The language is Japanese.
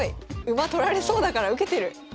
馬取られそうだから受けてる。